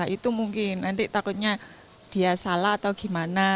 itu mungkin nanti takutnya dia salah atau gimana